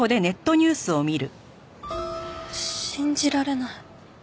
信じられない。